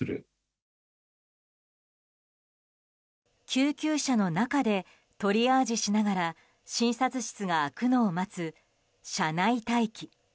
救急車の中でトリアージしながら診察室が空くのを待つ車内待機。